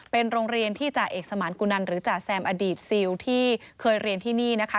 เป็นโรงเรียนที่จ่าเอกสมานกุนันหรือจ่าแซมอดีตซิลที่เคยเรียนที่นี่นะคะ